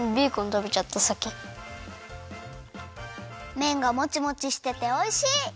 めんがもちもちしてておいしい！